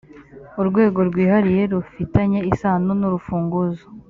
urwego rwihariye rufitanye isano n’urufunguzo